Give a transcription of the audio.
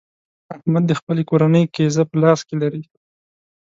احمد د خپلې کورنۍ قېزه په خپل لاس کې لري.